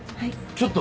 ちょっと。